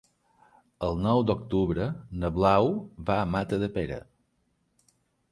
El nou d'octubre na Blau va a Matadepera.